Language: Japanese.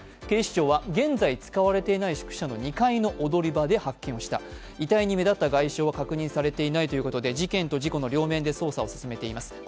警視庁は現在、使われていない宿舎の２階の踊り場で発見した、遺体に目立った外傷は確認されていないということで、事件と事故の両面で捜査を進めています。